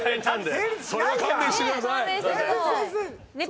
それは勘弁してください。